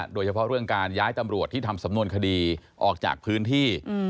โดยเฉพาะเรื่องการย้ายตำรวจที่ทำสำนวนคดีออกจากพื้นที่